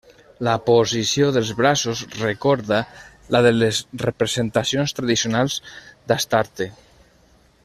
La posició dels braços recorda la de les representacions tradicionals d'Astarte.